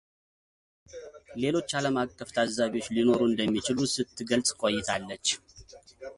ሌሎች ዓለም አቀፍ ታዛቢዎች ሊኖሩ እንደሚችሉ ስትገልጽ ቆይታለች።